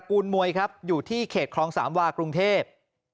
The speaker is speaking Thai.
กูลมวยครับอยู่ที่เขตคลองสามวากรุงเทพ